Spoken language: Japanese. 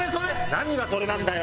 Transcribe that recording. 何が「それ」なんだよ。